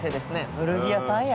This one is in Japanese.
古着屋さんや。